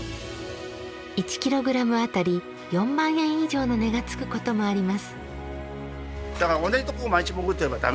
１キログラム当たり４万円以上の値がつくこともあります。